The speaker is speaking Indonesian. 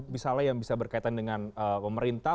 misalnya yang bisa berkaitan dengan pemerintah